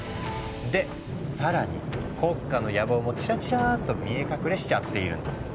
で更に国家の野望もチラチラッと見え隠れしちゃっているの。